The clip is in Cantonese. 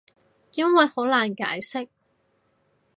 因為好難解釋